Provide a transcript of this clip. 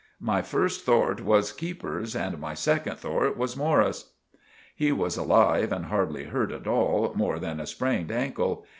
My first thort was keepers and my second thort was Morris. He was alive and hardly hurt at all more than a spraned ankle.